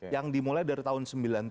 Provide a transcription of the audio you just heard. yang dimulai dari tahun sembilan puluh tujuh